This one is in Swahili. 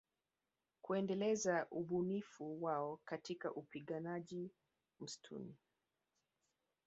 Kuendeleza ubunifu wao katika upiganaji mistuni